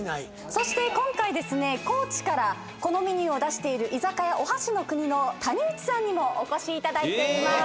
そして今回高知からこのメニューを出している居酒屋お箸の国の谷内さんにもお越しいただいています。